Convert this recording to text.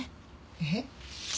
えっ？